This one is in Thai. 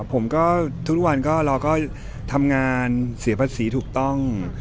ผมก็ทุกวันก็เราก็ทำงานเสียภาษีถูกต้อง